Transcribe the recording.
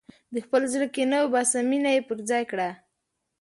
د خپل زړه کینه وباسه، مینه ځای پر ځای کړه.